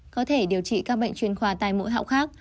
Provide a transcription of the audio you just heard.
có thể điều trị các bệnh chuyên khoa tay mũi hậu khác